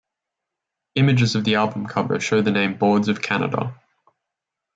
Images of the album cover show the name "Boards of Canada".